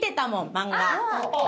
漫画。